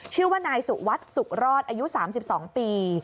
ชื่อว่านายสุวัสดิ์สุขรอดอายุ๓๒ปี